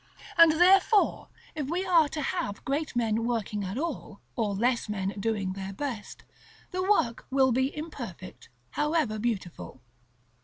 And therefore, if we are to have great men working at all, or less men doing their best, the work will be imperfect, however beautiful.